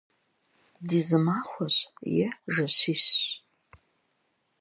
De zı maxueç'e dojejj.